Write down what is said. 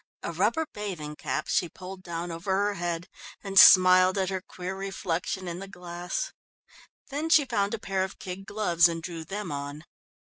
A rubber bathing cap she pulled down over her head, and smiled at her queer reflection in the glass. Then she found a pair of kid gloves and drew them on.